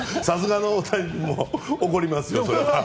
さすがの大谷も怒りますよ。